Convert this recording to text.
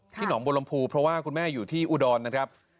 หนองบัวลำพูเพราะว่าคุณแม่อยู่ที่อุดรนะครับ